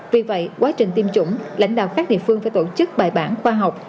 vì vậy quá trình tiêm chủng lãnh đạo các địa phương phải tổ chức bài bản khoa học